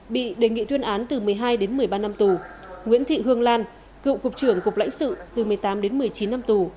bị đề nghị tuyên án từ một mươi hai đến một mươi ba năm tù nguyễn thị hương lan cựu cục trưởng cục lãnh sự từ một mươi tám đến một mươi chín năm tù